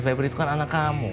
febri itu kan anak kamu